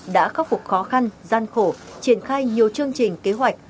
đã khắc phục khó khăn gian khổ triển khai nhiều chương trình kế hoạch